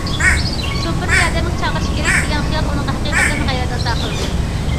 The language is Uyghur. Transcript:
شوپۇرنى ياردەمگە چاقىرىش كېرەك، دېگەن خىيال ئۇنىڭغا ھەقىقەتەن غەيرەت ئاتا قىلدى.